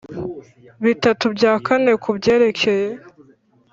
bitatu bya kane ku byerekeye